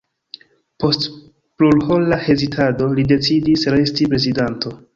Post plurhora hezitado li decidis resti prezidanto.